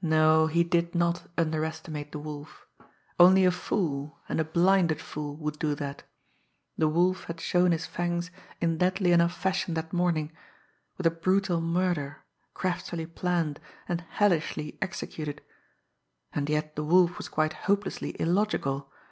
No, he did not underestimate the Wolf only a fool, and a blinded fool, would do that. The Wolf had shown his fangs in deadly enough fashion that morning with a brutal murder, craftily planned, and hellishly executed! And yet the Wolf was quite hopelessly illogical!